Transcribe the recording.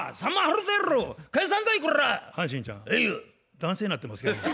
男性なってますけども。